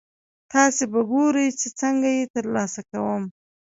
تاسې به ګورئ چې څنګه یې ترلاسه کوم.